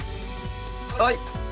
はい。